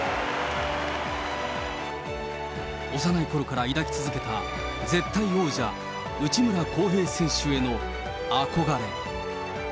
幼いころから抱き続けた、絶対王者、内村航平選手への憧れ。